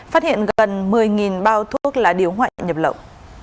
phát hiện gần một mươi bao thuốc lá điếu ngoại nhập lậu